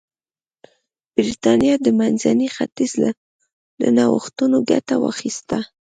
برېټانیا د منځني ختیځ له نوښتونو ګټه واخیسته.